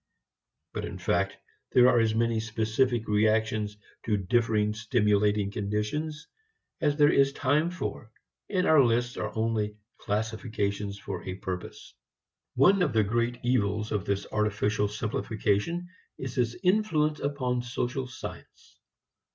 But in fact there are as many specific reactions to differing stimulating conditions as there is time for, and our lists are only classifications for a purpose. One of the great evils of this artificial simplification is its influence upon social science.